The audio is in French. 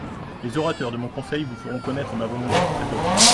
Les orateurs de mon conseil vous feront connaître ma volonté sur cet objet.